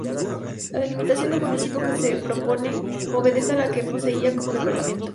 La delimitación del municipio que se propone, obedece a la que poseía como departamento.